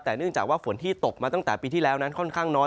แต่เนื่องจากว่าฝนที่ตกมาตั้งแต่ปีที่แล้วนั้นค่อนข้างน้อย